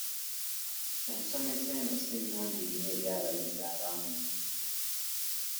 Ensomesa eno si nnungi nnyo eri abayizi abamu.